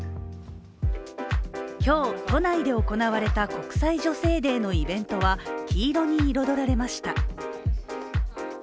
今日、都内で行われた国際女性デーのイベントは黄色に彩られました。